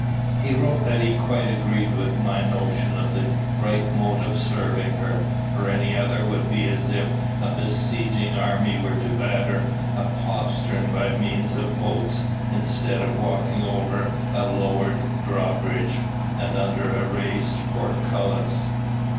He wrote that he quite agreed with my notion of the right mode of serving her; for any other would be as if a besieging party were to batter a postern by means of boats instead of walking over a lowered drawbridge, and under a raised portcullis.